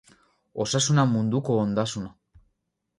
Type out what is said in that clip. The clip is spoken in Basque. Osasuna munduko ondasuna.